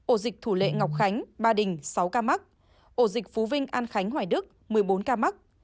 ổ dịch thủ lệ ngọc khánh ba đình sáu ca mắc ổ dịch phú vinh an khánh hoài đức một mươi bốn ca mắc